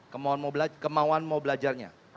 kemauan mau belajarnya